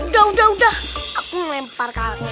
udah udah udah aku lempar kaleng